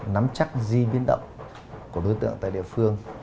nó là nắm chắc di biến động của đối tượng tại địa phương